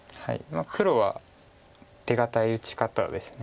黒は手堅い打ち方です。